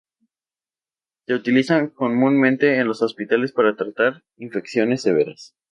Se utilizan comúnmente en los hospitales para tratar infecciones severas.